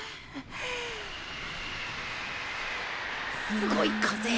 すごい風。